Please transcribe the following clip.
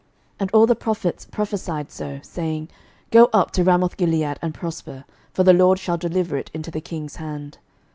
11:022:012 And all the prophets prophesied so, saying, Go up to Ramothgilead, and prosper: for the LORD shall deliver it into the king's hand.